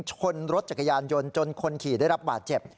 ชนรถจักรยานยนต์จนคนขี่ได้รับบาดเจ็บ